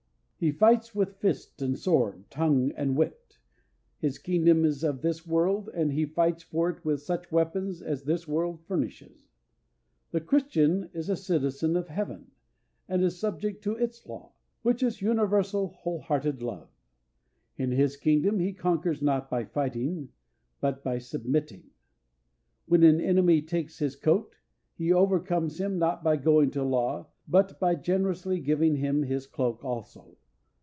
He fights with fist and sword, tongue and wit. His kingdom is of this world, and he fights for it with such weapons as this world furnishes. The Christian is a citizen of Heaven, and is subject to its law, which is universal, wholehearted love. In his kingdom he conquers not by fighting, but by submitting. When an enemy takes his coat, he overcomes him, not by going to law, but by generously giving him his cloak also.